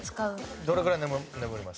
どれぐらい眠ります？